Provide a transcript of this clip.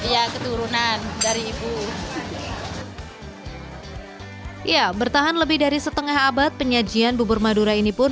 ya keturunan dari ibu ya bertahan lebih dari setengah abad penyajian bubur madura ini pun